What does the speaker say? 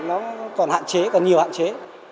nó còn hạn chế còn nhiều hạn chế